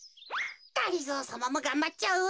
がりぞーさまもがんばっちゃう。